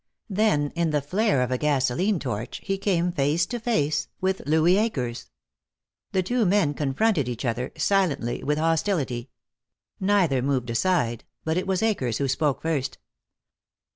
Then, in the flare of a gasoline torch, he came face to face with Louis Akers. The two men confronted each other, silently, with hostility. Neither moved aside, but it was Akers who spoke first.